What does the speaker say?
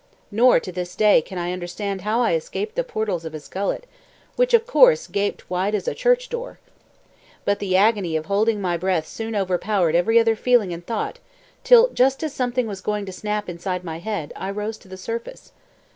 Nor to this day can I understand how I escaped the portals of his gullet, which, of course, gaped wide as a church door. But the agony of holding my breath soon overpowered every other feeling and thought, till just as something was going to snap inside my head, I rose to the surface.